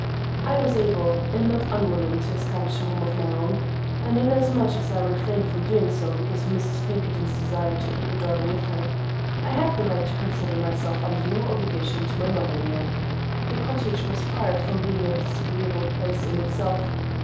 I was able and not unwilling to establish a home of my own, and inasmuch as I refrained from doing so because of Mrs. Pinkerton's desire to keep her daughter with her, I had the right to consider myself under no obligation to my mother in law. The cottage was far from being a disagreeable place in itself.